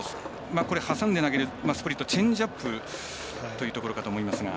今のは、挟んで投げるチェンジアップというところかと思いますが。